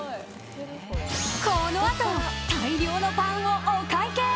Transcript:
このあと大量のパンをお会計。